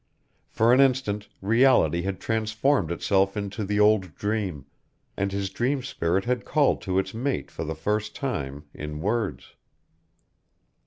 For an instant reality had transformed itself into the old dream, and his dream spirit had called to its mate for the first time in words.